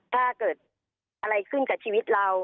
ถ้าเกิดอะไรขึ้นกับชีวิตเรา